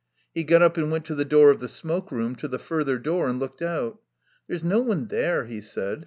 He got up and went to the door of the smoke room, to the further door, and looked out. "There's no one there," he said.